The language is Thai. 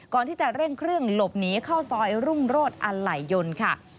ก่อนที่จะเร่งเครื่องหลบหนีเข้าซอยรุ่งโรธอันไหล่ยนต์ค่ะ